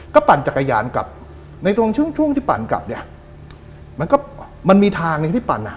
ก็ปั่นจักรยานกลับในช่วงที่ปั่นกลับเนี่ยมันมีทางในที่ปั่น